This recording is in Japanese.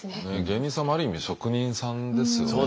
芸人さんもある意味職人さんですよね。